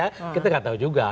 enggak tahu juga